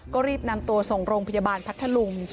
ก็รีบนำตัวส่งโรงพยาบาลพัทธลุง